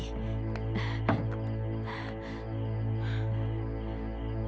kita akan membuat sinar seperti matahari